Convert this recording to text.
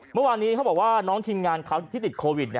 เมื่อวานนี้เขาบอกว่าน้องทีมงานเขาที่ติดโควิด